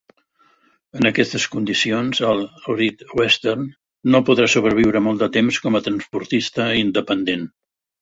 En aquestes condicions, el Great Western no podrà sobreviure molt de temps com a transportista independent.